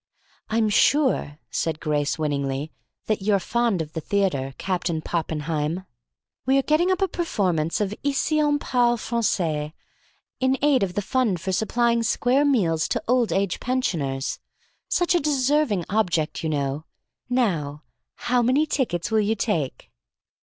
"I'm sure," said Grace winningly, "that you're fond of the theatre, Captain Poppenheim. We are getting up a performance of 'Ici on parle Francais,' in aid of the fund for Supplying Square Meals to Old Age Pensioners. Such a deserving object, you know. Now, how many tickets will you take?"